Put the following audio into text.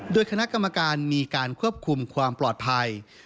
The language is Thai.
โดยคณะกรรมการมีการควบคุมความปลอดภัย